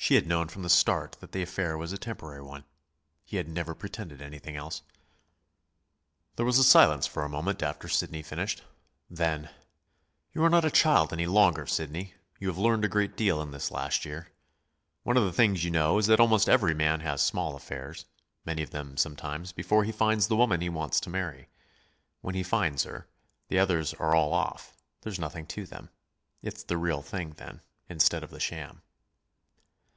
She had known from the start that the affair was a temporary one; he had never pretended anything else. There was silence for a moment after Sidney finished. Then: "You are not a child any longer, Sidney. You have learned a great deal in this last year. One of the things you know is that almost every man has small affairs, many of them sometimes, before he finds the woman he wants to marry. When he finds her, the others are all off there's nothing to them. It's the real thing then, instead of the sham."